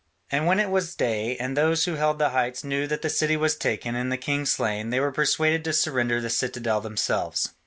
And when it was day and those who held the heights knew that the city was taken and the king slain, they were persuaded to surrender the citadel themselves.